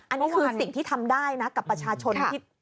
อันนี้คือสิ่งที่ทำได้นะกับประชาชนที่